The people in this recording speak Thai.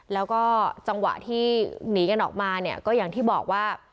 แล้วก็จังหวะที่หนีกันออกมาเนี่ยก็อย่างที่บอกว่า